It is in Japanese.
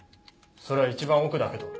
それは一番奥だけど。